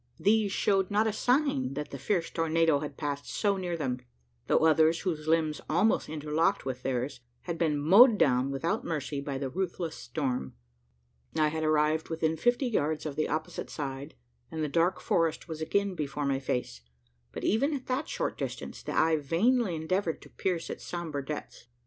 These showed not a sign that the fierce tornado had passed so near them; though others, whose limbs almost interlocked with theirs, had been mowed down without mercy by the ruthless storm. I had arrived within fifty yards of the opposite side, and the dark forest was again before my face; but even at that short distance, the eye vainly endeavoured to pierce its sombre depths.